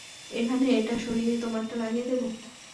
এখানে এটা সরিয়ে তোমারটা লাগিয়ে দিব?